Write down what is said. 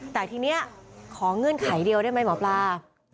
แต่ทีนี้ขอเงื่อนไขเดียวได้ไหมหมอปลา